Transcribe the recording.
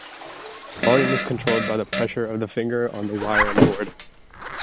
Volume was controlled by the pressure of the finger on the wire and board.